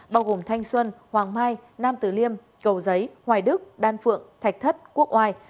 bao gồm thanh xuân hoàng mai nam tử liêm cầu giấy hoài đức đan phượng thạch thất quốc oai